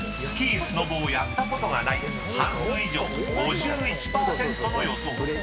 ［スキー・スノボをやったことがない半数以上５１％の予想］